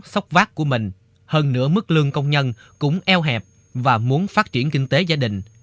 sốc vác của mình hơn nữa mức lương công nhân cũng eo hẹp và muốn phát triển kinh tế gia đình